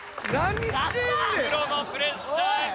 プロのプレッシャー。